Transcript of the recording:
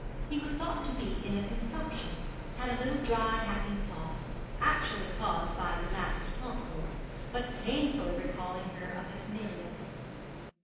He was thought to be in a consumption had a little dry hacking cough, actually caused by relaxed tonsils, but painfully recalling her of the camelias.